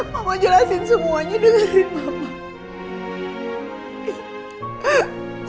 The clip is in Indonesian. mama jelasin semuanya dulu dari mama